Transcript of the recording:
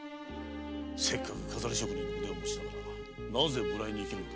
せっかく錺り職の腕を持ちながらなぜ無頼に生きるんだ？